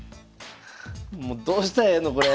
もうどうしたらええのこれ。